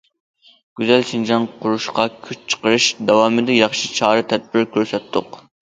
گۈزەل شىنجاڭ قۇرۇشقا كۈچ چىقىرىش داۋامىدا ياخشى چارە- تەدبىر كۆرسەتتۇق.